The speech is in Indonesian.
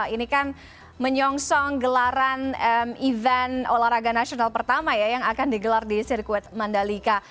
ini kan menyongsong gelaran event olahraga nasional pertama ya yang akan digelar di sirkuit mandalika